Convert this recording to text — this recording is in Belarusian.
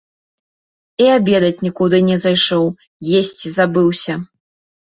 І абедаць нікуды не зайшоў, есці забыўся.